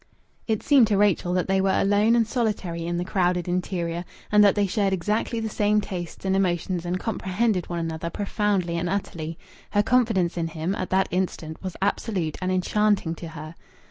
It seemed to Rachel that they were alone and solitary in the crowded interior, and that they shared exactly the same tastes and emotions and comprehended one another profoundly and utterly; her confidence in him, at that instant, was absolute, and enchanting to her.